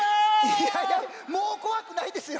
いやいやもうこわくないですよ。